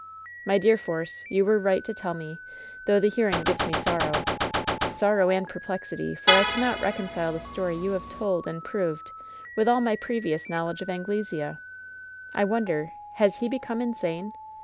"My dear Force, you were right to tell me, though the hearing gives me sorrow — sorrow and perplexity, for I cannot reconcile the story you have told and proved with all my previous knowledge of Anglesea. I won der, has he become insane